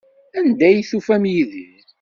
Anda ay tufam Yidir?